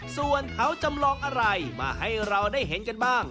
ส่วนเขาจำลองอะไรมาให้เราได้เห็นกันบ้าง